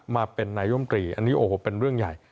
มาเป็นนายมตรีอันนี้โอ้โหเป็นเรื่องใหญ่